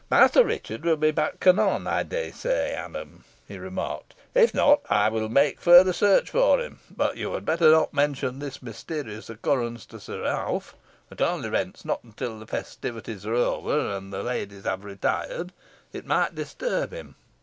"Master Richard will be back anon, I dare say, Adam," he remarked; "if not, I will make further search for him; but you had better not mention this mysterious occurrence to Sir Ralph, at all events not until the festivities are over, and the ladies have retired. It might disturb them.